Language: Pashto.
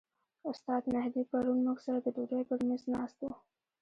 استاد مهدي پرون موږ سره د ډوډۍ پر میز ناست و.